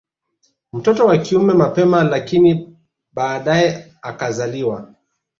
Mtoto wa kiume mapema lakini baadae akazaliwa